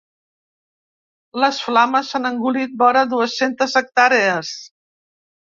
Les flames han engolit vora dues-centes hectàrees.